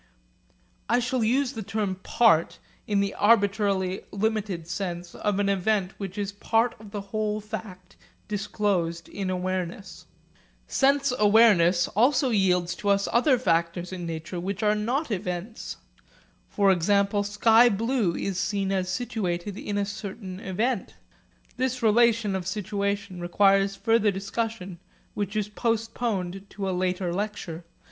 I shall use the term 'part' in the arbitrarily limited sense of an event which is part of the whole fact disclosed in awareness. Sense awareness also yields to us other factors in nature which are not events. For example, sky blue is seen as situated in a certain event. This relation of situation requires further discussion which is postponed to a later lecture.